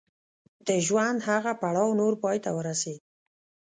د ژوند هغه پړاو نور پای ته ورسېد.